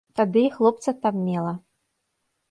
Тады і хлопца там мела.